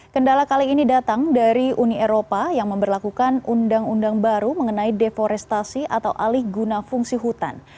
kendala kali ini datang dari uni eropa yang memperlakukan undang undang baru mengenai deforestasi atau alih guna fungsi hutan